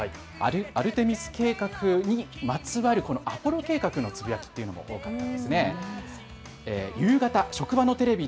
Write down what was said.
アルテミス計画にまつわるこのアポロ計画のつぶやきというのがありました。